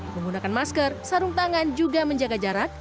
menggunakan masker sarung tangan juga menjaga jarak